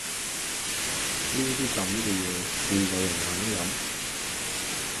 呢啲咁嘅嘢會有人肯飲?